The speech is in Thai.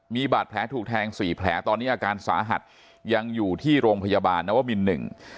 มีบาดแผลถูกแทงสี่แผลตอนนี้อาการสาหัสยังอยู่ที่โรงพยาบาลนวมินหนึ่ง